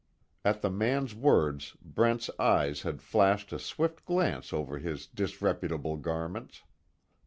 At the man's words Brent's eyes had flashed a swift glance over his disreputable garments.